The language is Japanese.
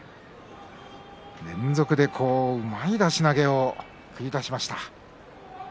連続で、うまい出し投げをしました。